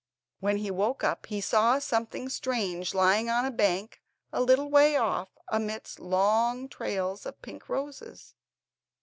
When he woke up he saw something strange lying on a bank a little way off, amidst long trails of pink roses.